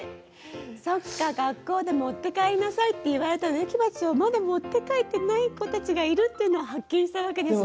そっか学校で持って帰りなさいって言われた植木鉢をまだ持って帰ってない子たちがいるってのを発見したわけですね。